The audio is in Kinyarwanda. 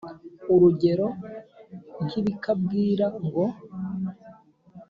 Urugero nk ibikabwira ngo